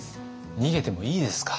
逃げてもいいですか？